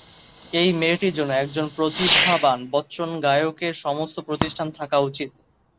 এই মেয়েটির জন্য একজন প্রতিভাবান বচ্চন গায়কের সমস্ত প্রতিষ্ঠান থাকা উচিত।